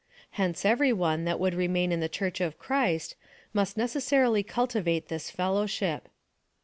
Hence every one, that would remain in the Church of Christ, must necessarily cul tivate this fellowship."